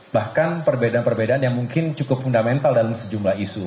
bahkan perbedaan perbedaan yang mungkin cukup fundamental dalam sejumlah isu